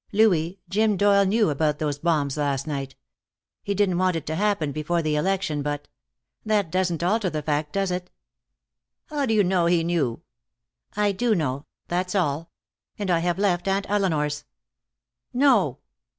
Louis, Jim Doyle knew about those bombs last night. He didn't want it to happen before the election, but that doesn't alter the fact, does it?" "How do you know he knew?" "I do know. That's all. And I have left Aunt Elinor's." "No!"